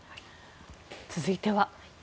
続いては。